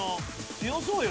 強そうよ。